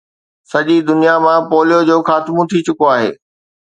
سڄي دنيا مان پوليو جو خاتمو ٿي چڪو آهي